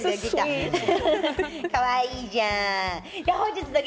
かわいいじゃん。